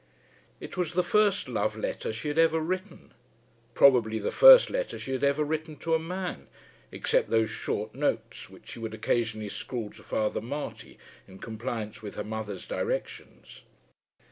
It was the first love letter she had ever written, probably the first letter she had ever written to a man, except those short notes which she would occasionally scrawl to Father Marty in compliance with her mother's directions.